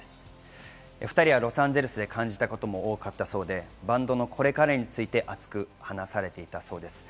２人はロサンゼルスで感じたことを多かったそうで、バンドのこれからについて熱く話されていたそうです。